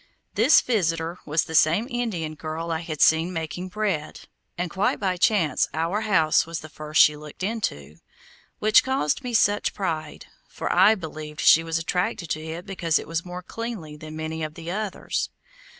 This visitor was the same Indian girl I had seen making bread, and quite by chance our house was the first she looked into, which caused me much pride, for I believed she was attracted to it because it was more cleanly than many of the others.